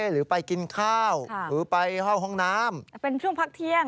หรือไปกินข้าวหรือไปเข้าห้องน้ำแต่เป็นช่วงพักเที่ยง